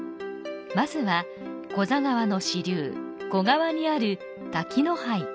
まずは、古座川の支流、小川にある滝の拝。